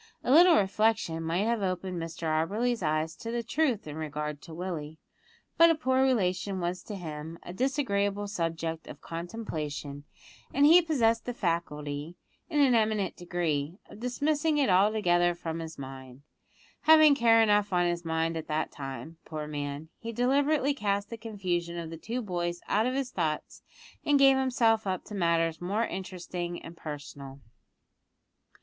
A little reflection might have opened Mr Auberly's eyes to the truth in regard to Willie, but a poor relation was to him a disagreeable subject of contemplation, and he possessed the faculty, in an eminent degree, of dismissing it altogether from his mind. Having care enough on his mind at that time, poor man, he deliberately cast the confusion of the two boys out of his thoughts, and gave himself up to matters more interesting and personal.